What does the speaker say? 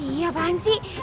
ih apaan sih